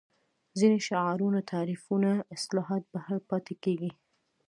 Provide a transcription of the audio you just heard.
ځینې شعارونه تعریفونه اصطلاحات بهر پاتې کېږي